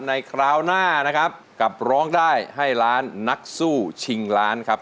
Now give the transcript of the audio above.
คราวหน้านะครับกับร้องได้ให้ล้านนักสู้ชิงล้านครับ